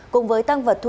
cùng với tăng vật thu dự